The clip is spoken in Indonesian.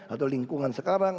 atau lingkungan sekarang